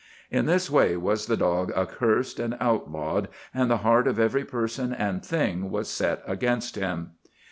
In this way was the dog accursed and outlawed, and the heart of every person and thing was set against him.